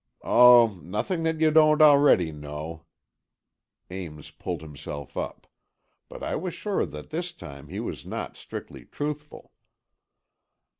"Oh, nothing that you don't already know," Ames pulled himself up. But I was sure that this time he was not strictly truthful.